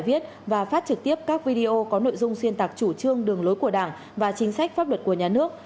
viết và phát trực tiếp các video có nội dung xuyên tạc chủ trương đường lối của đảng và chính sách pháp luật của nhà nước